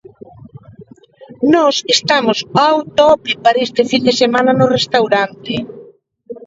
Nós estamos ao tope para esta fin de semana, no restaurante.